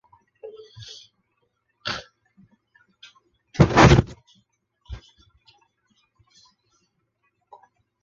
父亲为北条氏直的家臣神尾伊予守荣加。